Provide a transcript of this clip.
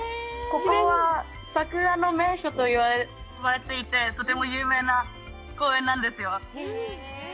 ここは桜の名所と言われていて、とても有名な公園なんですよ。